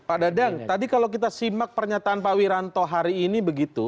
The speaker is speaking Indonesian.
pak dadang tadi kalau kita simak pernyataan pak wiranto hari ini begitu